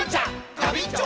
ガビンチョ！